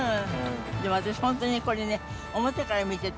でも私ホントにこれね。